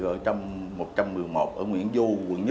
điện sĩ một trăm một mươi một ở nguyễn du quận một